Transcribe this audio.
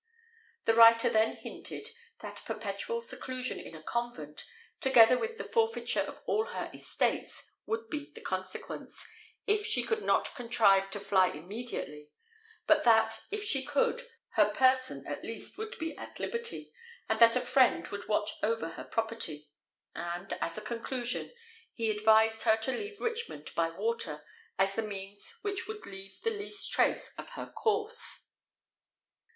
The writer then hinted that perpetual seclusion in a convent, together with the forfeiture of all her estates, would be the consequence, if she could not contrive to fly immediately; but that, if she could, her person at least would be at liberty, and that a friend would watch over her property; and, as a conclusion, he advised her to leave Richmond by water, as the means which would leave the least trace of her course.